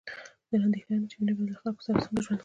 زه اندېښنه لرم چې مينه به له دې خلکو سره څنګه ژوند کوي